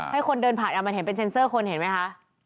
ให้คนเดินผ่านมันเห็นเป็นเซ็นเซอร์คนเห็นไหมคะ